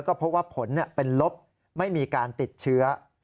ก็พบว่าผลเป็นลบไม่มีการติดเชื้อ